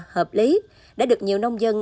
hợp lý đã được nhiều nông dân